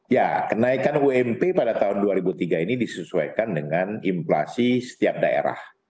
ya kenaikan ump pada tahun dua ribu tiga ini disesuaikan dengan inflasi setiap daerah